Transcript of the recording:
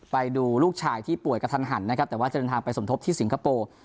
ไปดูลูกชายที่ป่วยกระทันหันนะครับแต่ว่าจะเดินทางไปสมทบที่สิงคโปร์